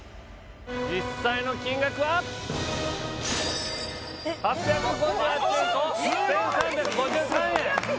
実際の金額は８５８円と１３５３円すごい！